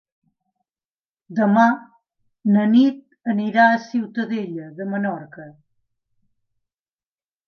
Demà na Nit anirà a Ciutadella de Menorca.